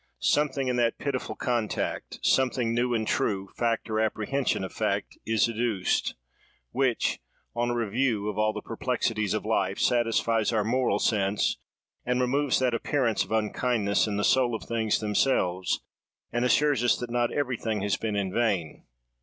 Something in that pitiful contact, something new and true, fact or apprehension of fact, is educed, which, on a review of all the perplexities of life, satisfies our moral sense, and removes that appearance of unkindness in the soul of things themselves, and assures us that not everything has been in vain.